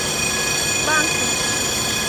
บ้างสิ